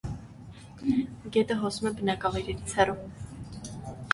Գետը հոսում է բնակավայրերից հեռու։